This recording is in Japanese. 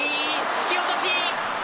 突き落とし。